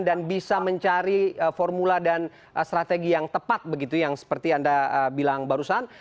dan bisa mencari formula dan strategi yang tepat begitu yang seperti yang anda bilang barusan